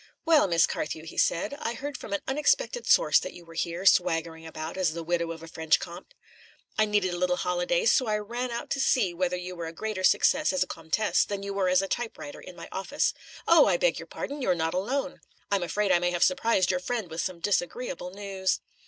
"Well, Miss Carthew," he said, "I heard from an unexpected source that you were here, swaggering about as the widow of a French Comte. I needed a little holiday, and so I ran out to see whether you were a greater success as a Comtesse than you were as a typewriter in my office. Oh! I beg your pardon. You're not alone. I'm afraid I may have surprised your friend with some disagreeable news."